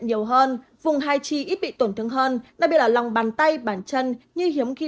nhiều hơn vùng hai chi ít bị tổn thương hơn đặc biệt là lòng bàn tay bàn chân như hiếm khí